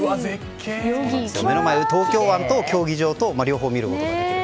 目の前の東京湾と競技場と両方見ることができて。